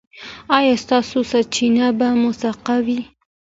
ایا ستاسو سرچینه به موثقه وي؟